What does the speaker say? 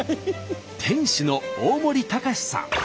店主の大森崇史さん。